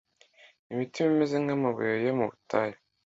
Imitima imeze nk'amabuye yo mu butayu,